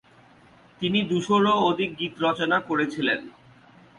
তিনি দুশোরও অধিক গীত রচনা করেছিলেন।